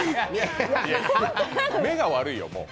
目が悪いよ、もう。